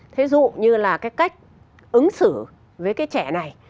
thế dụ như là cái cách ứng xử với cái trẻ này